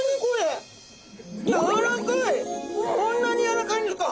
こんなにやわらかいんですか。